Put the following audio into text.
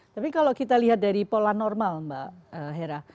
tapi kalau kita lihat dari pola normal mbak hera